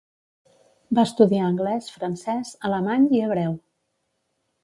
Va estudiar anglès, francès, alemany i hebreu.